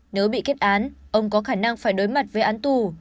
nếu bị kết án ông có khả năng phải đối mặt với án tù